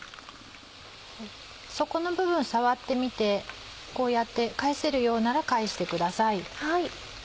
底の部分触ってみてこうやって返せるようなら返してください。